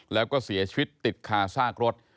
แล้วก็เสียชีวิตติดคาซากรถ